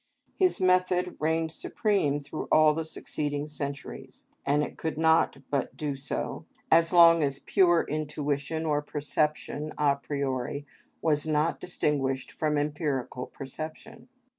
His method reigned supreme through all the succeeding centuries, and it could not but do so as long as pure intuition or perception, a priori, was not distinguished from empirical perception.